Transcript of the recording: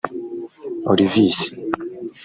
Olvis